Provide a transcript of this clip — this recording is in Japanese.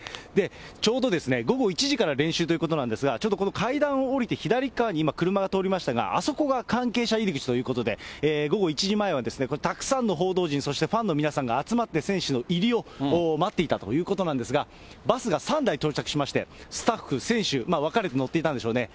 ちょうど午後１時から練習ということなんですが、ちょっとこの階段を下りて、左側に車が通りましたが、あそこが関係者入り口ということで、午後１時前はたくさんの報道陣、そしてファンの皆さんが集まって、選手の入りを待っていたということなんですが、バスが３台到着しまして、スタッフ、選手、分かれて乗っていたんでしょうね。